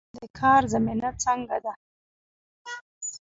د کار زمینه څنګه ده؟